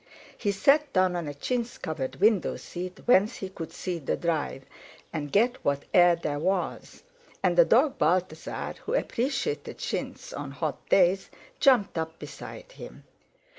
He sat down on a chintz covered windowseat whence he could see the drive, and get what air there was; and the dog Balthasar who appreciated chintz on hot days, jumped up beside him.